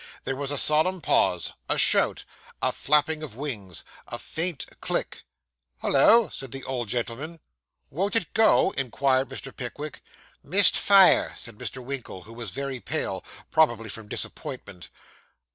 There was a solemn pause a shout a flapping of wings a faint click. 'Hollo!' said the old gentleman. 'Won't it go?' inquired Mr. Pickwick. 'Missed fire,' said Mr. Winkle, who was very pale probably from disappointment.